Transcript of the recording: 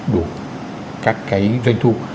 đủ các cái doanh thu